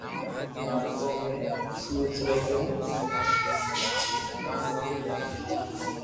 مارو ڪوم ھي سوٽ سلائي ڪرو